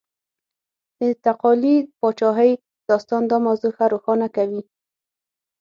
د تقالي پاچاهۍ داستان دا موضوع ښه روښانه کوي.